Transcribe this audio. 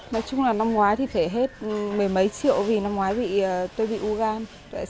nói chung là năm ngoái thì phải hết mười mấy triệu vì năm ngoái tôi bị u gan